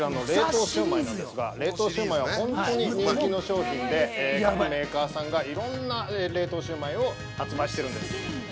冷凍シューマイは本当に人気の商品で、各メーカーさんが、いろんな冷凍シューマイを発売してるんです。